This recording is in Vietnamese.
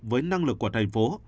với năng lực của thành phố